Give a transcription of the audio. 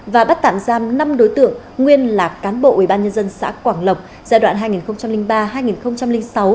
và bắt tạm giam năm đối tượng nguyên là cán bộ ubnd xã quảng lộc giai đoạn hai nghìn ba hai nghìn sáu